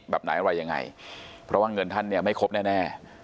แบบไหนอะไรยังไงเพราะว่าเงินท่านเนี่ยไม่ครบแน่